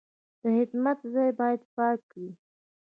د خدمت ځای باید پاک وي.